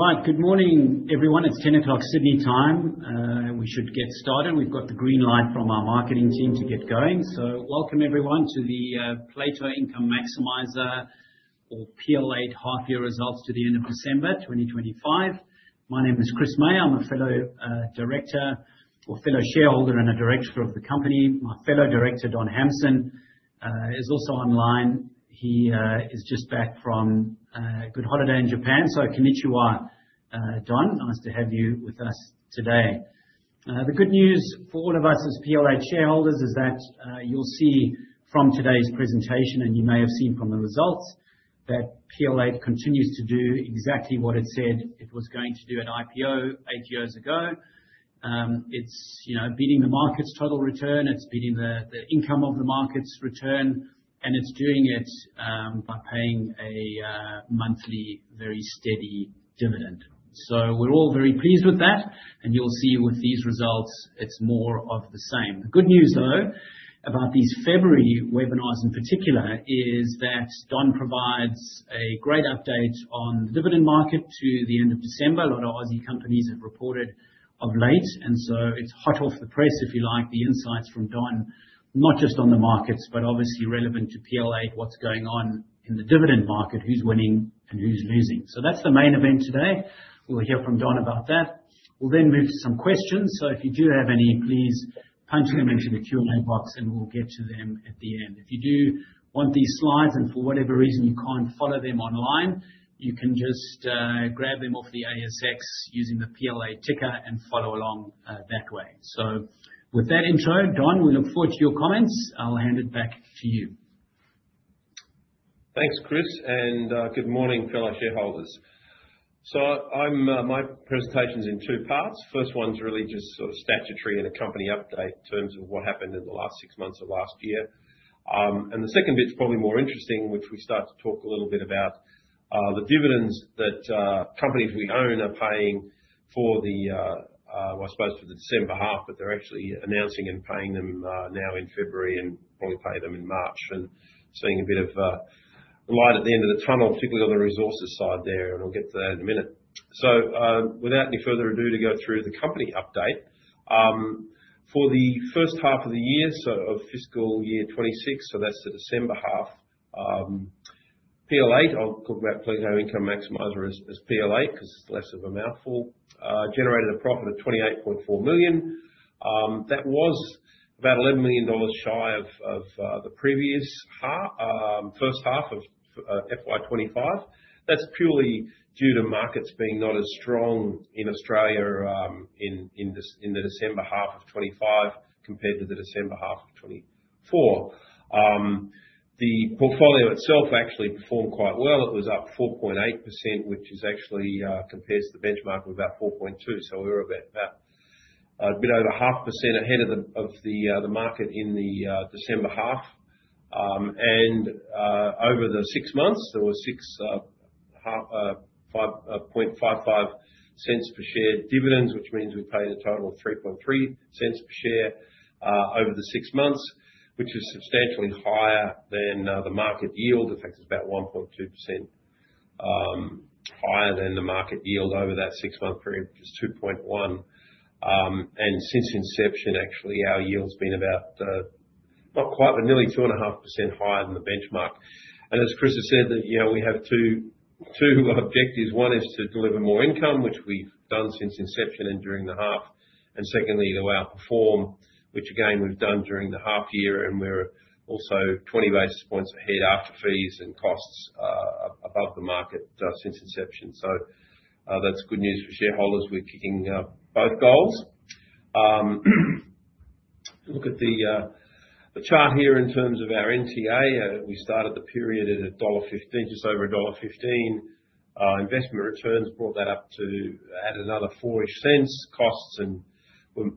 Right. Good morning, everyone. It's 10:00 A.M. Sydney time. We should get started. We've got the green light from our marketing team to get going. Welcome everyone to the Plato Income Maximiser or PLA half-year results to the end of December 2025. My name is Chris Meyer. I'm a fellow director or fellow shareholder and a director of the company. My fellow Director, Don Hamson, is also online. He is just back from a good holiday in Japan. Konnichiwa, Don, nice to have you with us today. The good news for all of us as PLA shareholders is that you'll see from today's presentation, and you may have seen from the results, that PLA continues to do exactly what it said it was going to do at IPO eight years ago. It's, you know, beating the market's total return, it's beating the income of the market's return. It's doing it, by paying a monthly, very steady dividend. We're all very pleased with that, and you'll see with these results, it's more of the same. The good news, though, about these February webinars, in particular, is that Don Hamson provides a great update on the dividend market to the end of December. A lot of Aussie companies have reported of late. It's hot off the press, if you like, the insights from Don Hamson, not just on the markets, but obviously relevant to PLA, what's going on in the dividend market, who's winning and who's losing. That's the main event today. We'll hear from Don Hamson about that. We'll then move to some questions. If you do have any, please punch them into the Q&A box, and we'll get to them at the end. If you do want these slides, and for whatever reason you can't follow them online, you can just grab them off the ASX using the PLA ticker and follow along that way. With that intro, Don, we look forward to your comments. I'll hand it back to you. Thanks, Chris. Good morning, fellow shareholders. My presentation's in 2 parts. First one's really just sort of statutory and a company update in terms of what happened in the last six months of last year. The second bit's probably more interesting, in which we start to talk a little bit about the dividends that companies we own are paying for the, well, I suppose for the December half, but they're actually announcing and paying them now in February and probably pay them in March. Seeing a bit of light at the end of the tunnel, particularly on the resources side there, and I'll get to that in a minute. Without any further ado, to go through the company update. For the first half of the year, so of FY26, so that's the December half, PLA, I'll talk about Plato Income Maximiser as PLA, because it's less of a mouthful, generated a profit of 28.4 million. That was about 11 million dollars shy of the previous half, first half of FY25. That's purely due to markets being not as strong in Australia, in the December half of 2025 compared to the December half of 2024. The portfolio itself actually performed quite well. It was up 4.8%, which actually compares to the benchmark of about 4.2%. We were about a bit over a half percent ahead of the market in the December half. Over the six months, there were 0.0555 per share dividends, which means we paid a total of 0.033 per share over the six months, which is substantially higher than the market yield. In fact, it's about 1.2% higher than the market yield over that six-month period, which is 2.1%. Since inception, actually, our yield's been about not quite, but nearly 2.5% higher than the benchmark. As Chris has said, that, you know, we have two objectives: one is to deliver more income, which we've done since inception and during the half, and secondly, to outperform, which again, we've done during the half year, and we're also 20 basis points ahead after fees and costs above the market since inception. That's good news for shareholders. We're kicking both goals. Look at the chart here in terms of our NTA. We started the period at AUD 1.15, just over dollar 1.15. Investment returns added another AUD 0.04-ish. Costs and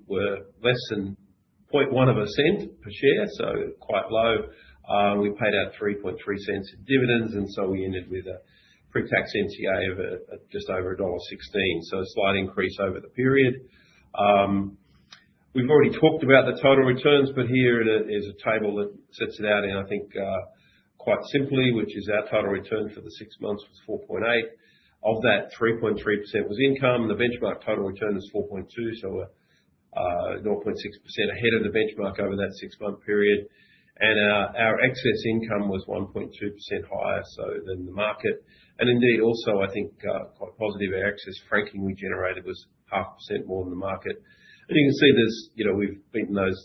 were less than 0.001 per share, so quite low. We paid out 0.033 in dividends, and so we ended with a pre-tax NTA of just over dollar 1.16. A slight increase over the period. We've already talked about the total returns, but here is a table that sets it out, and I think, quite simply, which is our total return for the six months was 4.8. Of that, 3.3% was income. The benchmark total return was 4.2, so 0.6% ahead of the benchmark over that six-month period. Our excess income was 1.2% higher, so than the market. Indeed, also, I think, quite positive our excess franking we generated was 0.5% more than the market. You can see there's, you know, we've beaten those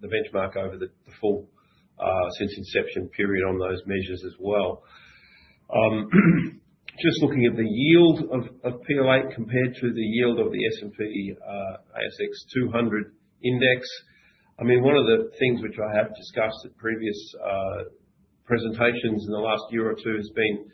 the benchmark over the full since inception period on those measures as well. Just looking at the yield of PLA compared to the yield of the S&P/ASX 200 index. I mean, one of the things which I have discussed at previous presentations in the last year or two has been,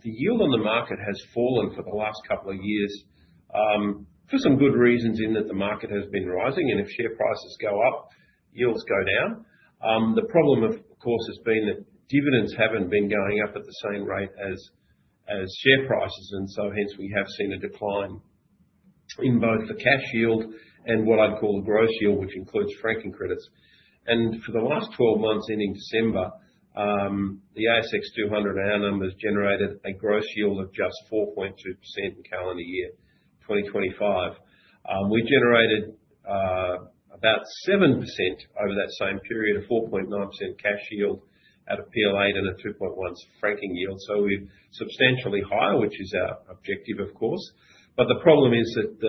the yield on the market has fallen for the last couple of years, for some good reasons, in that the market has been rising, and if share prices go up, yields go down. The problem, of course, has been that dividends haven't been going up at the same rate as share prices. Hence we have seen a decline in both the cash yield and what I'd call the gross yield, which includes franking credits. For the last 12 months ending December, the S&P/ASX 200 numbers generated a gross yield of just 4.2% in calendar year 2025. We generated about 7% over that same period, a 4.9% cash yield at a PLA and a 2.1 franking yield. We're substantially higher, which is our objective, of course. The problem is that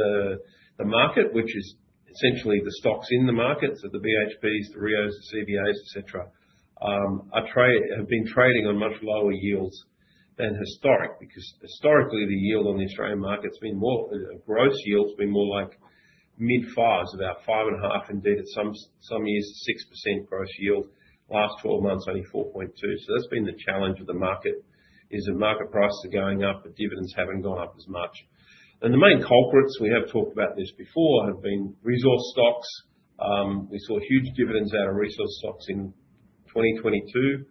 the market, which is essentially the stocks in the market, so the BHPs, the Rios, the CBAs, et cetera, have been trading on much lower yields than historic, because historically, the yield on the Australian market has been more, gross yield's been more like mid-fives, about 5.5, indeed, at some years, 6% gross yield. Last 12 months, only 4.2. That's been the challenge of the market, is the market prices are going up, but dividends haven't gone up as much. The main culprits, we have talked about this before, have been resource stocks. We saw huge dividends out of resource stocks in 2022.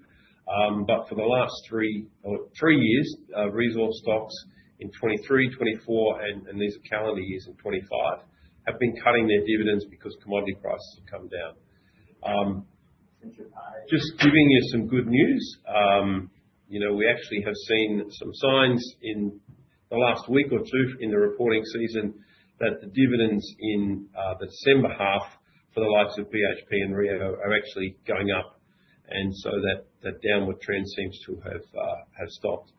But for the last three or three years, resource stocks in 2023, 2024, and these are calendar years, and 2025, have been cutting their dividends because commodity prices have come down. Just giving you some good news, you know, we actually have seen some signs in the last week or two in the reporting season that the dividends in the December half for the likes of BHP and Rio are actually going up, and so that downward trend seems to have stopped,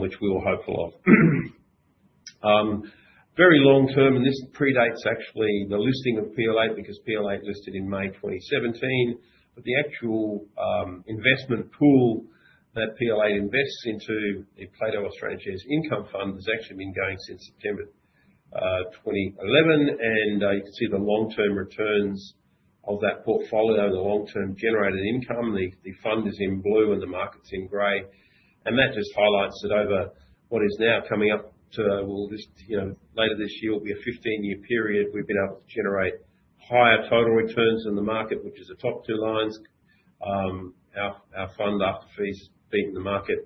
which we all hope a lot. Very long term, this predates actually the listing of PLA, because PLA listed in May 2017, but the actual investment pool that PLA invests into, the Plato Australian Shares Income Fund, has actually been going since September 2011. You can see the long-term returns of that portfolio, the long-term generated income. The fund is in blue, the market's in gray. That just highlights that over what is now coming up to, well, you know, later this year, will be a 15-year period. We've been able to generate higher total returns in the market, which is the top two lines. Our fund after fees beaten the market.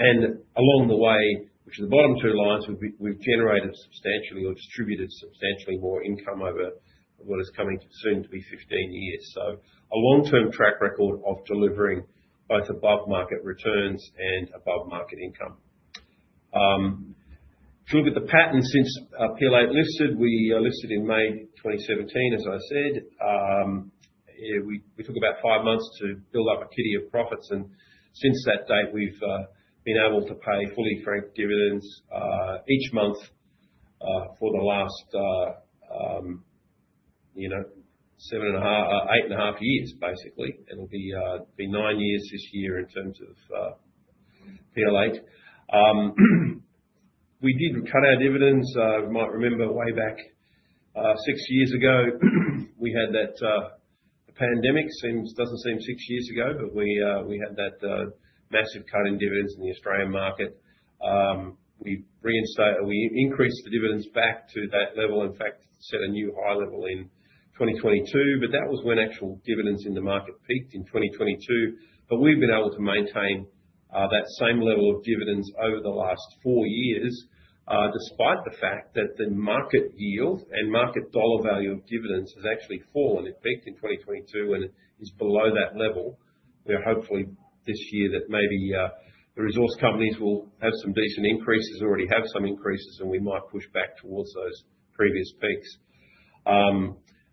Along the way, which is the bottom two lines, we've generated substantially or distributed substantially more income over what is coming to soon to be 15 years. A long-term track record of delivering both above market returns and above market income. If you look at the pattern since PLA listed, we listed in May 2017, as I said. We took about five months to build up a kitty of profits, and since that date, we've been able to pay fully franked dividends each month for the last, you know, 7.5, 8.5 years, basically. It'll be nine years this year in terms of PLA. We did cut our dividends. You might remember way back six years ago, we had that pandemic. Doesn't seem six years ago, but we had that massive cut in dividends in the Australian market. We reinstate... We increased the dividends back to that level, in fact, set a new high level in 2022, but that was when actual dividends in the market peaked in 2022. We've been able to maintain that same level of dividends over the last four years, despite the fact that the market yield and market dollar value of dividends has actually fallen. It peaked in 2022, and it is below that level. We are hopefully this year that maybe the resource companies will have some decent increases, already have some increases, and we might push back towards those previous peaks.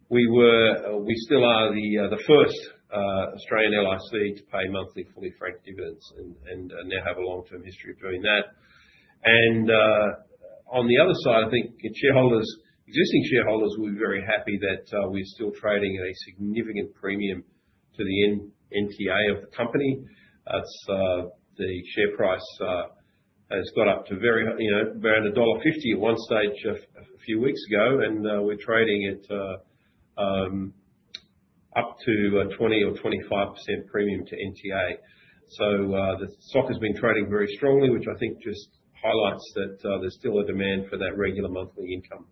We were, we still are the first Australian LIC to pay monthly fully franked dividends and now have a long-term history of doing that. On the other side, I think shareholders, existing shareholders will be very happy that we're still trading at a significant premium to the NTA of the company. That's, the share price has got up to very, you know, around dollar 1.50 at one stage a few weeks ago, and we're trading up to a 20% or 25% premium to NTA. The stock has been trading very strongly, which I think just highlights that there's still a demand for that regular monthly income.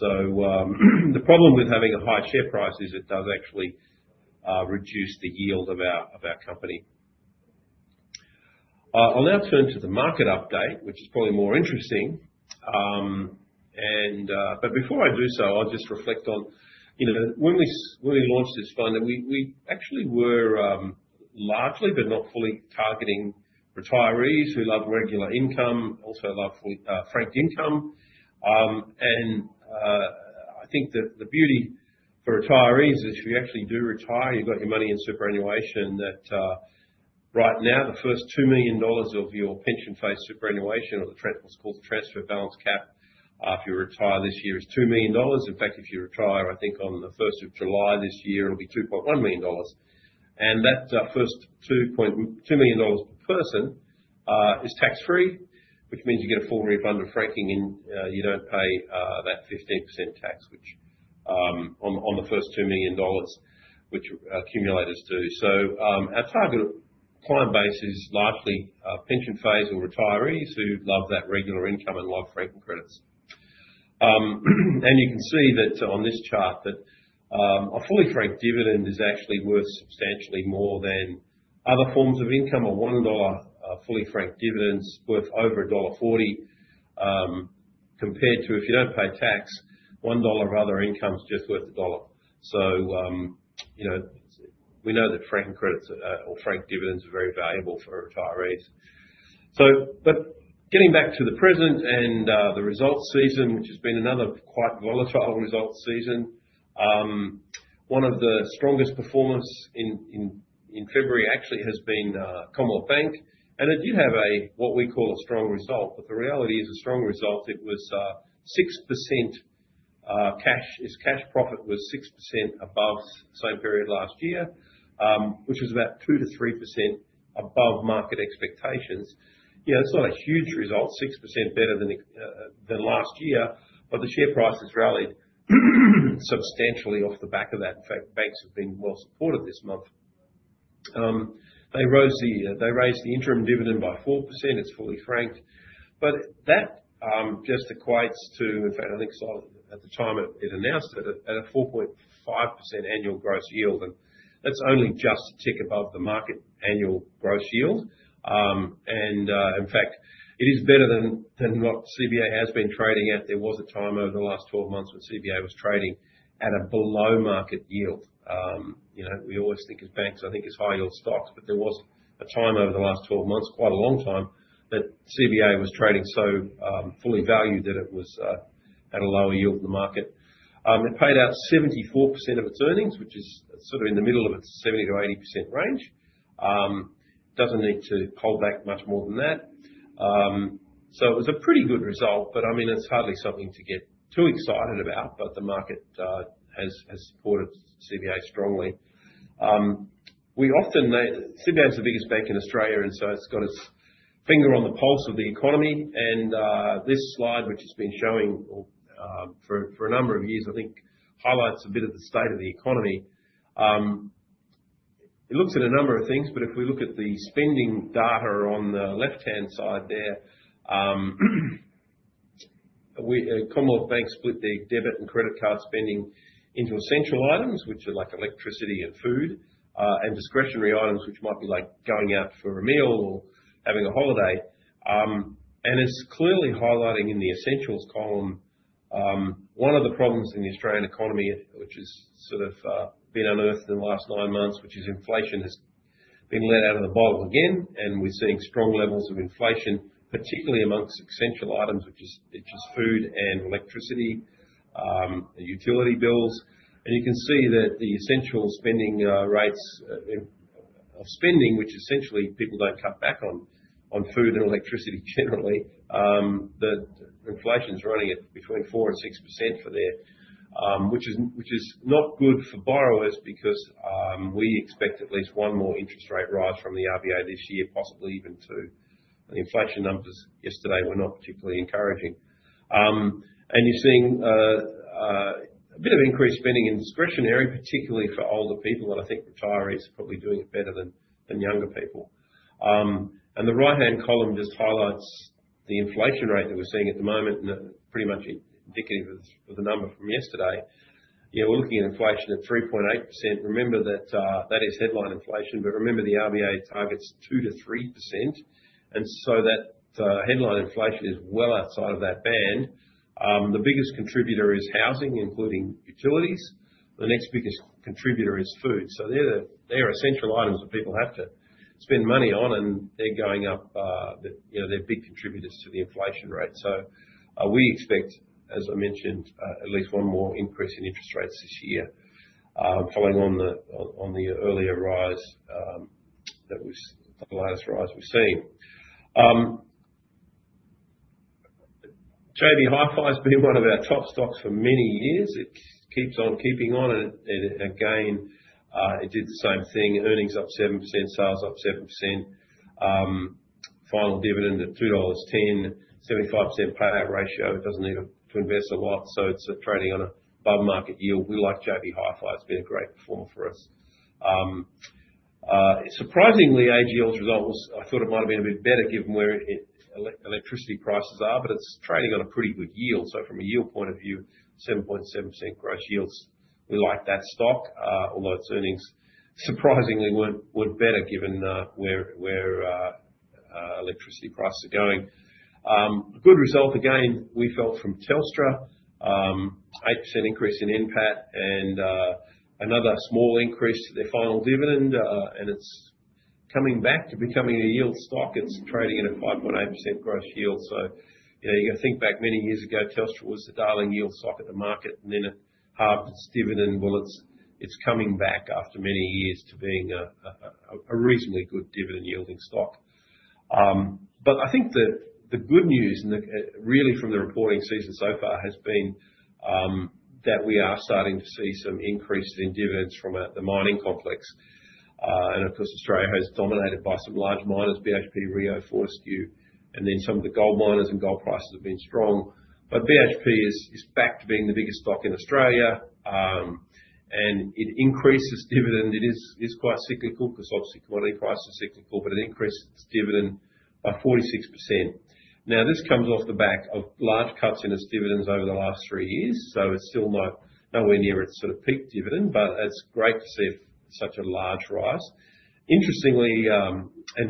The problem with having a high share price is it does actually reduce the yield of our company. I'll now turn to the market update, which is probably more interesting. Before I do so, I'll just reflect on, you know, when we launched this fund, that we actually were largely, but not fully, targeting retirees who love regular income, also love fully franked income. I think that the beauty for retirees is if you actually do retire, you've got your money in superannuation, that right now, the first $2 million of your pension phase superannuation, or what's called the transfer balance cap, if you retire this year, is $2 million. In fact, if you retire, I think on the first of July this year, it'll be $2.1 million. That, first 2.2 million dollars per person, is tax-free, which means you get a full refund of franking and, you don't pay, that 15% tax, which, on the, on the first 2 million dollars, which accumulators do. Our target client base is largely, pension phase or retirees who love that regular income and love franking credits. You can see that on this chart, that, a fully franked dividend is actually worth substantially more than other forms of income. Fully franked dividends worth over dollar 1.40, compared to if you don't pay tax, 1 dollar of other income is just worth AUD 1. You know, we know that franking credits, or franked dividends are very valuable for retirees. But getting back to the present and the results season, which has been another quite volatile results season. One of the strongest performers in February actually has been Commonwealth Bank, and it did have a, what we call a strong result. The reality is a strong result, it was 6%. Its cash profit was 6% above same period last year, which was about 2 to 3% above market expectations. You know, it's not a huge result, 6% better than it than last year, but the share price has rallied substantially off the back of that. In fact, banks have been well supported this month. They raised the interim dividend by 4%. It's fully franked, but that just equates to... In fact, I think so, at the time it announced it, at a 4.5% annual gross yield, and that's only just a tick above the market annual gross yield. In fact, it is better than what CBA has been trading at. There was a time over the last 12 months when CBA was trading at a below-market yield. You know, we always think of banks, I think, as high-yield stocks, but there was a time over the last 12 months, quite a long time, that CBA was trading so fully valued that it was at a lower yield in the market. It paid out 74% of its earnings, which is sort of in the middle of its 70 to 80% range. Doesn't need to pull back much more than that. It was a pretty good result, I mean, it's hardly something to get too excited about, the market has supported CBA strongly. We often CBA is the biggest bank in Australia, it's got its finger on the pulse of the economy. This slide, which has been showing, or, for a number of years, I think, highlights a bit of the state of the economy. It looks at a number of things, if we look at the spending data on the left-hand side there, we Commonwealth Bank split the debit and credit card spending into essential items, which are like electricity and food, discretionary items, which might be like going out for a meal or having a holiday. It's clearly highlighting in the essentials column, one of the problems in the Australian economy, which has sort of been unearthed in the last nine months, which is inflation has been let out of the bottle again. We're seeing strong levels of inflation, particularly amongst essential items, which is food and electricity, and utility bills. You can see that the essential spending rates of spending, which essentially people don't cut back on food and electricity generally, the inflation is running at between 4 to 6% for there. Which is not good for borrowers because we expect at least one more interest rate rise from the RBA this year, possibly even two. The inflation numbers yesterday were not particularly encouraging. You're seeing a bit of increased spending in discretionary, particularly for older people, and I think retirees are probably doing it better than younger people. The right-hand column just highlights the inflation rate that we're seeing at the moment, and pretty much indicative of the number from yesterday. Yeah, we're looking at inflation at 3.8%. Remember that that is headline inflation, but remember the RBA targets 2 to 3%, so that headline inflation is well outside of that band. The biggest contributor is housing, including utilities. The next biggest contributor is food. They're the essential items that people have to spend money on, and they're going up. You know, they're big contributors to the inflation rate. We expect, as I mentioned, at least one more increase in interest rates this year, following on the earlier rise, that was the latest rise we've seen. JB Hi-Fi's been one of our top stocks for many years. It keeps on keeping on, and it again, it did the same thing: earnings up 7%, sales up 7%, final dividend at 2.10 dollars, 75% payout ratio. It doesn't need to invest a lot, so it's trading on an above-market yield. We like JB Hi-Fi. It's been a great performer for us. Surprisingly, AGL's result was... I thought it might have been a bit better given where electricity prices are, but it's trading on a pretty good yield. From a yield point of view, 7.7% gross yields, we like that stock, although its earnings surprisingly were better given where electricity prices are going. A good result again, we felt from Telstra. 8% increase in NPAT, another small increase to their final dividend, it's coming back to becoming a yield stock. It's trading at a 5.8% gross yield. You know, you think back many years ago, Telstra was the darling yield stock at the market, then it halved its dividend. It's coming back after many years to being a reasonably good dividend-yielding stock. I think that the good news and the really from the reporting season so far has been that we are starting to see some increases in dividends from the mining complex. Of course, Australia is dominated by some large miners, BHP, Rio, Fortescue, and then some of the gold miners and gold prices have been strong. BHP is back to being the biggest stock in Australia, and it increased its dividend. It's quite cyclical because obviously commodity prices are cyclical, but it increased its dividend by 46%. This comes off the back of large cuts in its dividends over the last three years, so it's still not nowhere near its sort of peak dividend, but it's great to see such a large rise. Interestingly,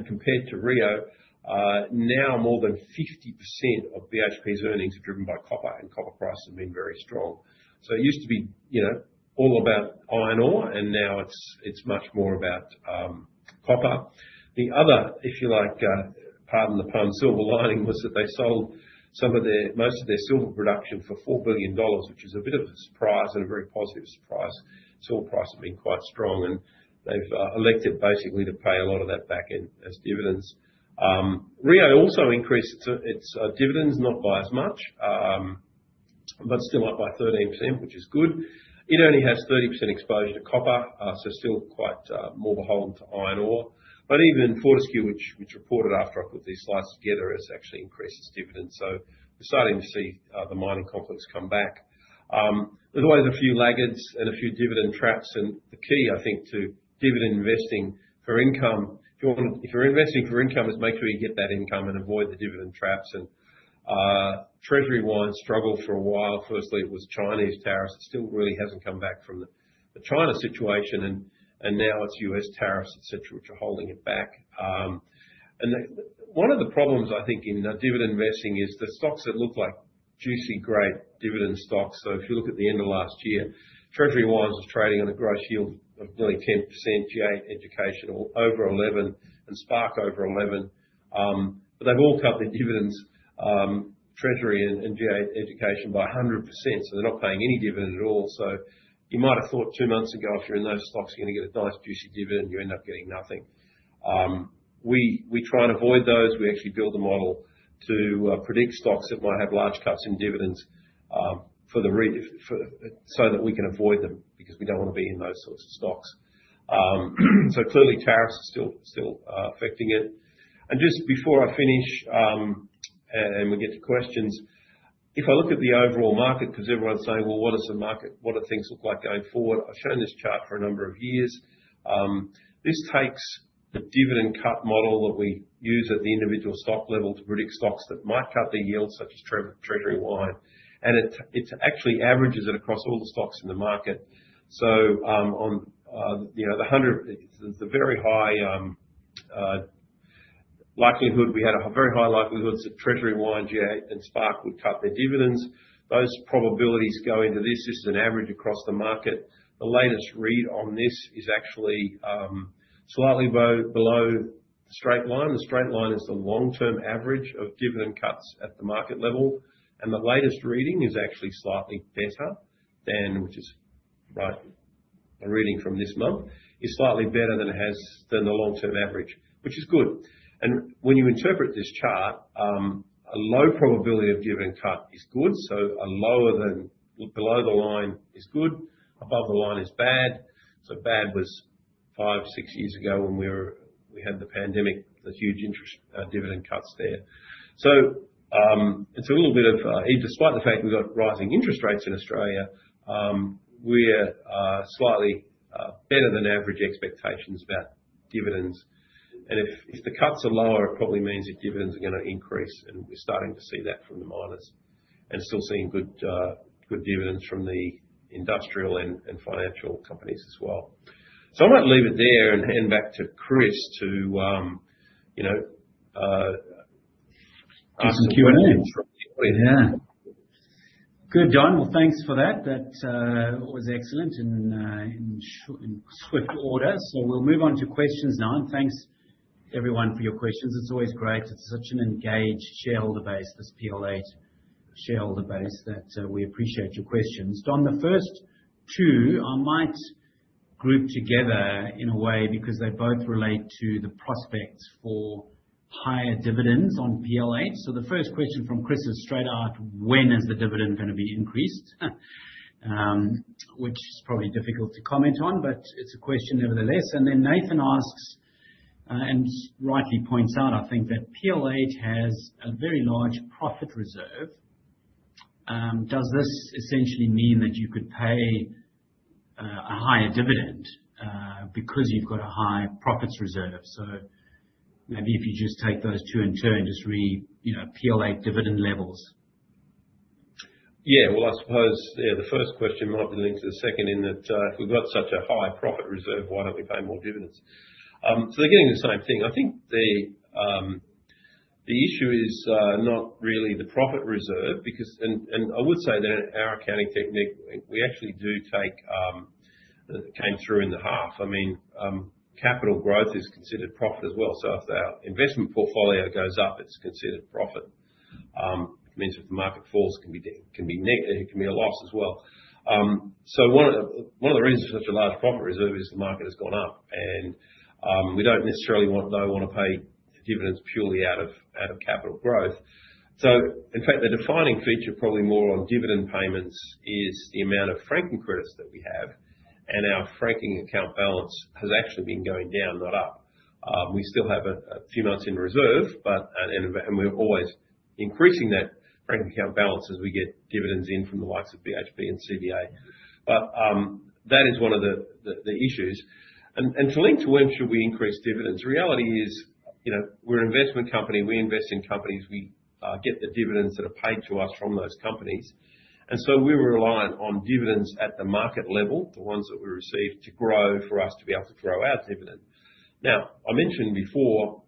compared to Rio, now more than 50% of BHP's earnings are driven by copper, and copper prices have been very strong. It used to be, you know, all about iron ore, and now it's much more about copper. The other, if you like, pardon the pun, silver lining, was that they sold most of their silver production for 4 billion dollars, which is a bit of a surprise and a very positive surprise. Silver prices have been quite strong, and they've elected basically to pay a lot of that back in as dividends. Rio also increased its dividends, not by as much, but still up by 13%, which is good. It only has 30% exposure to copper, so still quite more beholden to iron ore. Even Fortescue, which reported after I put these slides together, has actually increased its dividends. We're starting to see the mining complex come back. There's always a few laggards and a few dividend traps, and the key, I think, to dividend investing for income, if you're investing for income, is make sure you get that income and avoid the dividend traps. Treasury Wine struggled for a while. Firstly, it was Chinese tariffs. It still really hasn't come back from the China situation, and now it's U.S. tariffs, et cetera, which are holding it back. One of the problems I think in dividend investing is the stocks that look like juicy, great dividend stocks. If you look at the end of last year, Treasury Wines was trading on a gross yield of nearly 10%, IDP Education over 11, and Spark over 11. They've all cut their dividends, Treasury and IDP Education by 100%, so they're not paying any dividend at all. You might have thought two months ago, if you're in those stocks, you're going to get a nice, juicy dividend, you end up getting nothing. We try and avoid those. We actually build a model to predict stocks that might have large cuts in dividends so that we can avoid them, because we don't want to be in those sorts of stocks. Clearly, tariffs are still affecting it. Just before I finish, we get to questions, if I look at the overall market, because everyone's saying: "Well, what do things look like going forward?" I've shown this chart for a number of years. This takes the dividend cut model that we use at the individual stock level to predict stocks that might cut their yields, such as Treasury Wine, and it actually averages it across all the stocks in the market. You know, the hundred, the very high likelihood, we had a very high likelihood that Treasury Wine, GA, and Spark would cut their dividends. Those probabilities go into this. This is an average across the market. The latest read on this is actually slightly below the straight line. The straight line is the long-term average of dividend cuts at the market level. A reading from this month, is slightly better than the long-term average, which is good. When you interpret this chart, a low probability of dividend cut is good, so below the line is good, above the line is bad. Bad was five, six years ago, when we had the pandemic, the huge interest, dividend cuts there. It's a little bit of, despite the fact we've got rising interest rates in Australia, we're slightly better than average expectations about dividends. If the cuts are lower, it probably means that dividends are gonna increase, and we're starting to see that from the miners, and still seeing good dividends from the industrial and financial companies as well. I might leave it there and hand back to Chris to, you know. Do some Q&A. Yeah. Good, John. Well, thanks for that. That was excellent and in swift order. We'll move on to questions now, and thanks, everyone, for your questions. It's always great. It's such an engaged shareholder base, this PLA shareholder base, that we appreciate your questions. Don, the first two I might group together in a way because they both relate to the prospects for higher dividends on PLA. The first question from Chris is straight out, "When is the dividend going to be increased?" Which is probably difficult to comment on, but it's a question nevertheless. Nathan asks, and rightly points out, I think, that PLA has a very large profit reserve. Does this essentially mean that you could pay a higher dividend because you've got a high profit reserve? Maybe if you just take those two in turn, you know, PLA dividend levels. Well, I suppose the first question might be linked to the second in that if w e've got such a high profit reserve, why don't we pay more dividends? They're getting the same thing. I think the issue is not really the profit reserve. I would say that our accounting technique, we actually do take came through in the half. I mean, capital growth is considered profit as well. If our investment portfolio goes up, it's considered profit. It means if the market falls, it can be a loss as well. One of the reasons for such a large profit reserve is the market has gone up, we don't necessarily want to pay dividends purely out of capital growth. In fact, the defining feature, probably more on dividend payments, is the amount of franking credits that we have, and our franking account balance has actually been going down, not up. We still have a few months in reserve, and we're always increasing that franking account balance as we get dividends in from the likes of BHP and CBA. That is one of the issues. To link to when should we increase dividends, the reality is... You know, we're an investment company. We invest in companies. We get the dividends that are paid to us from those companies, and so we're reliant on dividends at the market level, the ones that we receive, to grow for us to be able to grow our dividend. Now, I mentioned before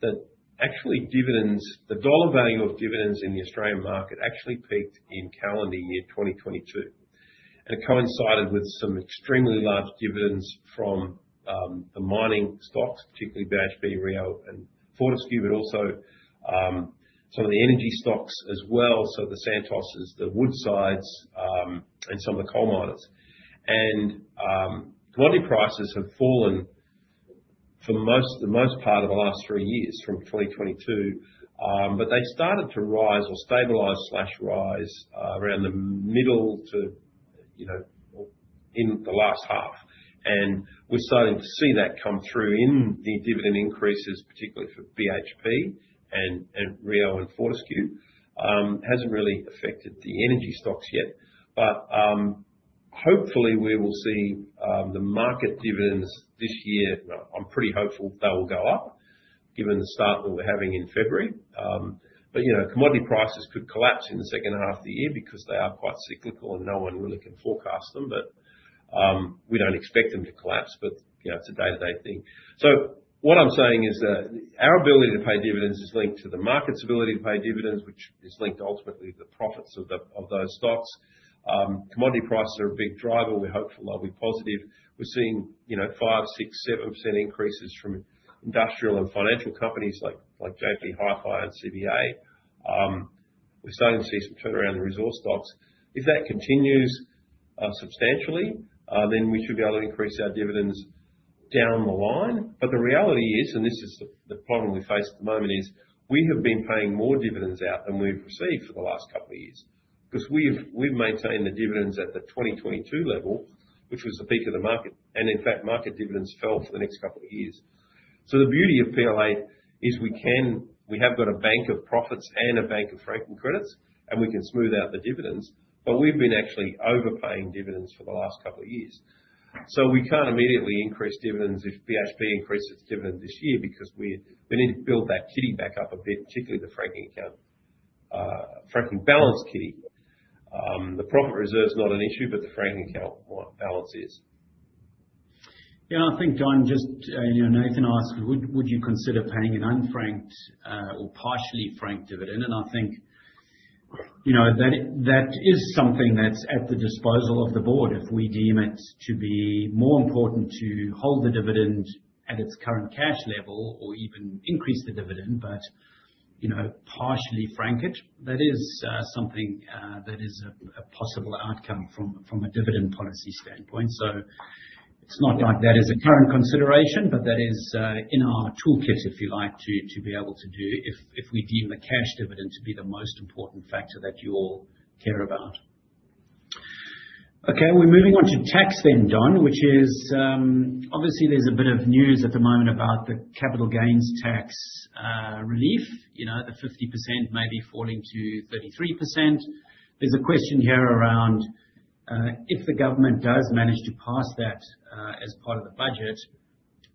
that actually the dollar value of dividends in the Australian market actually peaked in calendar year 2022, and it coincided with some extremely large dividends from the mining stocks, particularly BHP, Rio, and Fortescue, but also some of the energy stocks as well, so the Santos's, the Woodsides, and some of the coal miners. Commodity prices have fallen for the most part of the last three years, from 2022. They started to rise or stabilize/rise around the middle to, you know, or in the last half. We're starting to see that come through in the dividend increases, particularly for BHP and Rio and Fortescue. Hasn't really affected the energy stocks yet, but hopefully we will see the market dividends this year. Well, I'm pretty hopeful they will go up, given the start that we're having in February. But, you know, commodity prices could collapse in the second half of the year because they are quite cyclical and no one really can forecast them. We don't expect them to collapse, but, you know, it's a day-to-day thing. What I'm saying is that our ability to pay dividends is linked to the market's ability to pay dividends, which is linked ultimately to the profits of those stocks. Commodity prices are a big driver. We're hopeful they'll be positive. We're seeing, you know, 5%, 6%, 7% increases from industrial and financial companies like JB Hi-Fi and CBA. We're starting to see some turnaround in resource stocks. If that continues substantially, then we should be able to increase our dividends down the line. The reality is, and this is the problem we face at the moment, is we have been paying more dividends out than we've received for the last couple of years. 'Cause we've maintained the dividends at the 2022 level, which was the peak of the market, and in fact, market dividends fell for the next couple of years. The beauty of PLA is We have got a bank of profits and a bank of franking credits, and we can smooth out the dividends, but we've been actually overpaying dividends for the last couple of years. We can't immediately increase dividends if BHP increases its dividend this year, because we need to build that kitty back up a bit, particularly the franking account, franking balance kitty. The profit reserve is not an issue, but the franking account, balance is. Yeah, I think, Don, just, you know, Nathan asked: Would you consider paying an unfranked or partially franked dividend? I think, you know, that is something that's at the disposal of the board. If we deem it to be more important to hold the dividend at its current cash level or even increase the dividend, but, you know, partially frank it, that is something that is a possible outcome from a dividend policy standpoint. It's not like that is a current consideration, but that is in our toolkit, if you like, to be able to do, if we deem the cash dividend to be the most important factor that you all care about. We're moving on to tax then, Don, which is obviously there's a bit of news at the moment about the capital gains tax relief. You know, the 50% may be falling to 33%. There's a question here around if the government does manage to pass that as part of the budget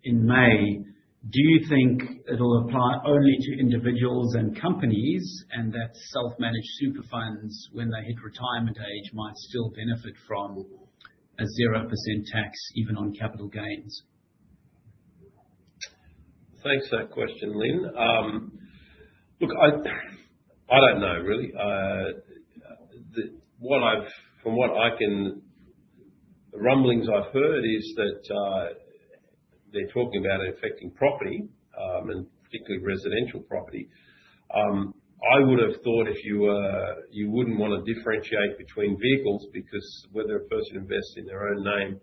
in May, do you think it'll apply only to individuals and companies, and that self-managed super funds, when they hit retirement age, might still benefit from a 0% tax, even on capital gains? Thanks for that question, Lynn. Look, I don't know, really. The rumblings I've heard is that they're talking about it affecting property, and particularly residential property. I would have thought if you wouldn't want to differentiate between vehicles, because whether a person invests in their own name,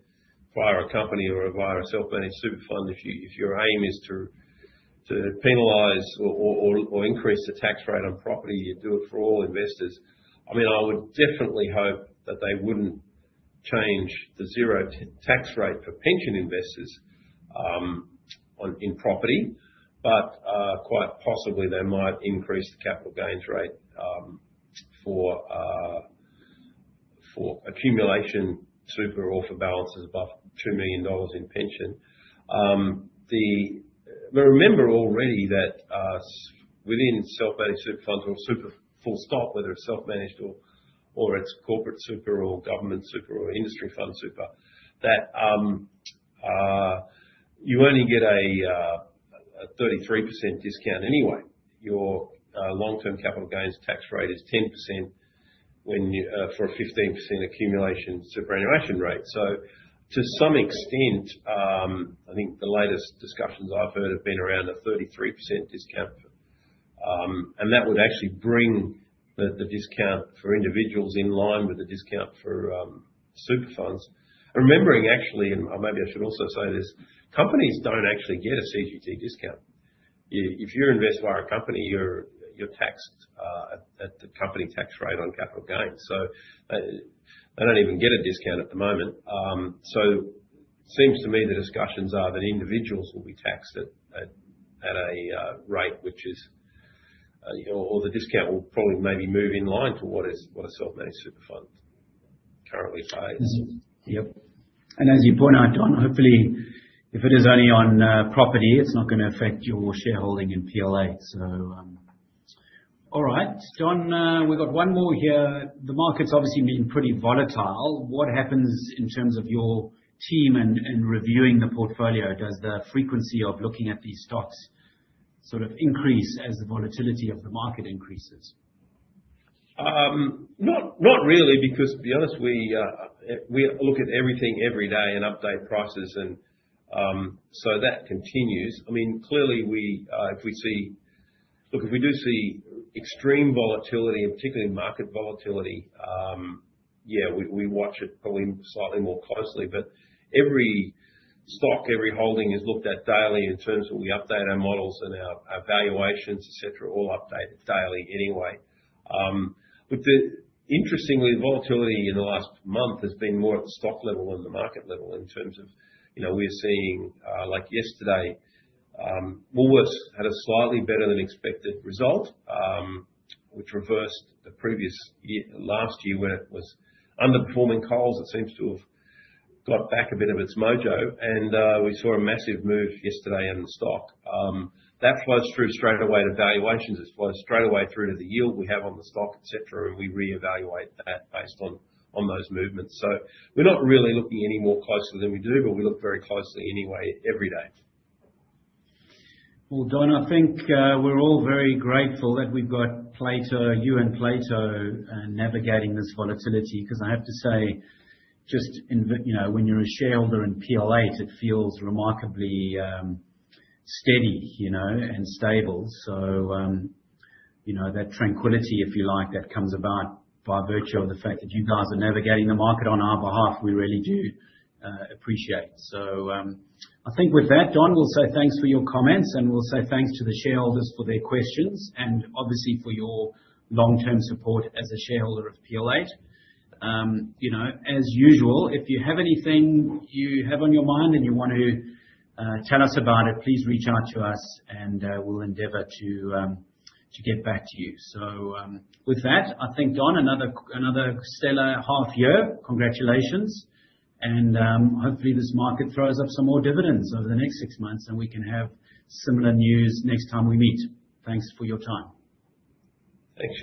via a company, or, via a self-managed super fund, if your aim is to penalize or increase the tax rate on property, you do it for all investors. I mean, I would definitely hope that they wouldn't change the zero tax rate for pension investors, on, in property, but quite possibly, they might increase the capital gains rate for accumulation super or for balances above $2 million in pension. Remember already that within self-managed super funds or super full stop, whether it's self-managed or it's corporate super or government super or industry fund super, that you only get a 33% discount anyway. Your long-term capital gains tax rate is 10% when you for a 15% accumulation superannuation rate. To some extent, I think the latest discussions I've heard have been around a 33% discount. That would actually bring the discount for individuals in line with the discount for super funds. Remembering, actually, maybe I should also say this, companies don't actually get a CGT discount. If you invest via a company, you're taxed at the company tax rate on capital gains, they don't even get a discount at the moment. Seems to me the discussions are that individuals will be taxed at a rate which is, or the discount will probably maybe move in line to what a self-managed super fund currently pays. Mm-hmm. Yep. As you point out, Don, hopefully, if it is only on property, it's not gonna affect your shareholding in PLA. All right, Don, we've got one more here. The market's obviously been pretty volatile. What happens in terms of your team and reviewing the portfolio? Does the frequency of looking at these stocks sort of increase as the volatility of the market increases? Not really, because to be honest, we look at everything every day and update prices and so that continues. I mean, clearly we Look, if we do see extreme volatility, and particularly market volatility, yeah, we watch it probably slightly more closely. Every stock, every holding, is looked at daily in terms of we update our models and our valuations, et cetera, all updated daily anyway. Interestingly, volatility in the last month has been more at the stock level than the market level in terms of, you know, we're seeing like yesterday, Woolworths had a slightly better than expected result. Which reversed the previous year, last year, when it was underperforming Coles. It seems to have got back a bit of its mojo, and we saw a massive move yesterday in the stock. That flows through straightaway to valuations. It flows straightaway through to the yield we have on the stock, et cetera, and we reevaluate that based on those movements. We're not really looking any more closely than we do, but we look very closely anyway, every day. Don, I think, we're all very grateful that we've got Plato, you and Plato, navigating this volatility. 'Cause I have to say, just in you know, when you're a shareholder in PLA, it feels remarkably, steady, you know, and stable. you know, that tranquility, if you like, that comes about by virtue of the fact that you guys are navigating the market on our behalf, we really do, appreciate. I think with that, Don, we'll say thanks for your comments, and we'll say thanks to the shareholders for their questions and obviously for your long-term support as a shareholder of PLA. you know, as usual, if you have anything you have on your mind and you want to, tell us about it, please reach out to us and, we'll endeavor to get back to you. With that, I think, Don, another stellar half year. Congratulations, and hopefully this market throws up some more dividends over the next six months, and we can have similar news next time we meet. Thanks for your time. Thanks, Chris.